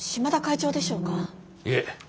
いえ。